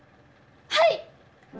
はい！